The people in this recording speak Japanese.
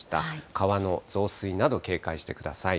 川の増水など警戒してください。